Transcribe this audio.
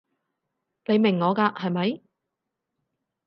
你明我㗎係咪？